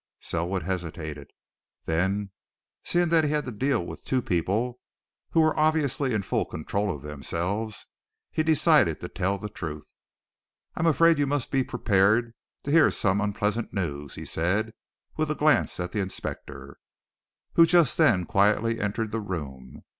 Selwood hesitated. Then, seeing that he had to deal with two people who were obviously in full control of themselves, he decided to tell the truth. "I'm afraid you must be prepared to hear some unpleasant news," he said, with a glance at the inspector, who just then quietly entered the room.